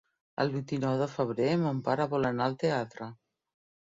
El vint-i-nou de febrer mon pare vol anar al teatre.